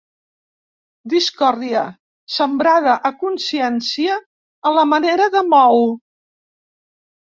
Discòrdia sembrada a consciència, a la manera de Mou.